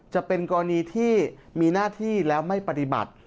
จะเป็นกรณีที่มีหน้าที่แล้วไม่ปฏิบัติ